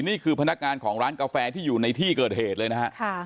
นี่คือพนักงานของร้านกาแฟที่อยู่ในที่เกิดเหตุเลยนะฮะ